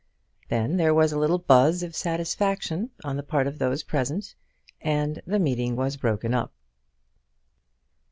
Then there was a little buzz of satisfaction on the part of those present, and the meeting was broken up.